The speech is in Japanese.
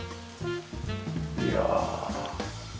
いや。